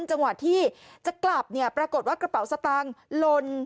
จังหวะที่จะกลับเนี่ยปรากฏว่ากระเป๋าสตางค์ลน